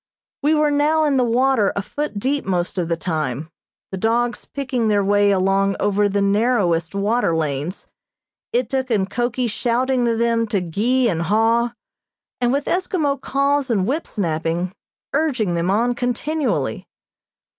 We were now in the water a foot deep most of the time, the dogs picking their way along over the narrowest water lanes, Ituk and Koki shouting to them to gee and haw, and with Eskimo calls and whip snapping, urging them on continually.